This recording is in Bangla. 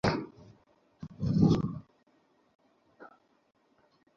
এই জমিটা উর্বর।